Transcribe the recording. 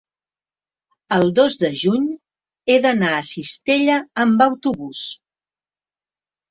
el dos de juny he d'anar a Cistella amb autobús.